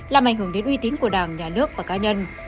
làm ảnh hưởng đến uy tín của đảng nhà nước và cá nhân